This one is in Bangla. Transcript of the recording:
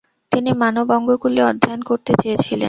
তিনি মানব অঙ্গগুলি অধ্যয়ন করতে চেয়েছিলেন।